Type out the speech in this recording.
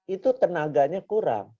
itu tenaganya kurang